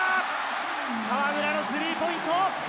河村のスリーポイント。